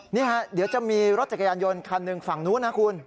เดี๋ยวจะมีรถจักรยานยนต์คันหนึ่งฝั่งนู้นนะคุณ